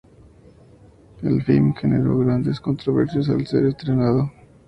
El film generó grandes controversias al ser estrenado.